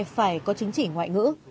phải có chứng chỉ ngoại ngữ